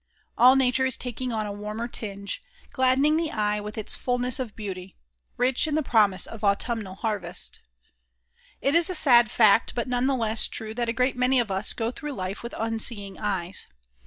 All Nature is taking on a warmer tinge, gladdening the eye with its fullness of beauty rich in the promise of autumnal harvest. It is a sad fact, but none the less true that a great many of us go through life with unseeing eyes.